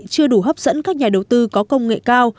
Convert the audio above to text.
chưa đủ hấp dẫn các nhà đầu tư có công nghệ cao